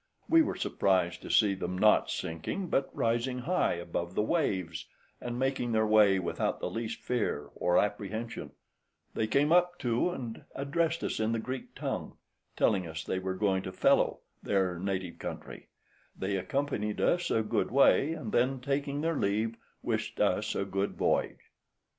{114b} We were surprised to see them not sinking, but rising high above the waves, and making their way without the least fear or apprehension; they came up to, and addressed us in the Greek tongue, telling us they were going to Phello, their native country; they accompanied us a good way, and then taking their leave, wished us a good voyage.